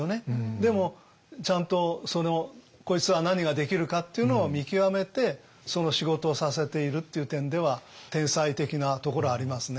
でもちゃんとこいつは何ができるかっていうのを見極めてその仕事をさせているっていう点では天才的なところはありますね。